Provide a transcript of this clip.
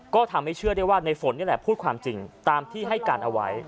ก็ทำให้เชื่อได้ว่าในฝนนี่แหละพูดความจริงตามที่ให้การเอาไว้